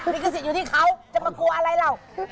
ลิขสิทธิ์อยู่ที่เขาจะมากลัวอะไรเรา